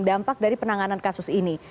dampak dari penanganan kasus ini